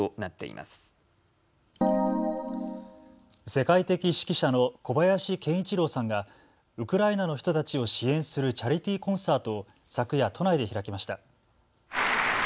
世界的指揮者の小林研一郎さんがウクライナの人たちを支援するチャリティーコンサートを昨夜、都内で開きました。